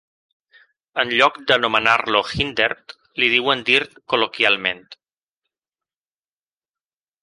En lloc d'anomenar-lo Hindert, li diuen Dirt col·loquialment.